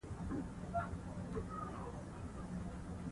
يو ایمان او بل نیک عمل.